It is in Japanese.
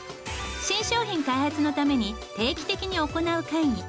新商品開発のために定期的に行う会議。